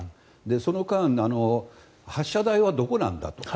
その間、発射台はどこなんだと。